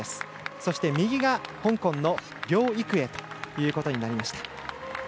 そして右が香港の梁育栄ということになりました。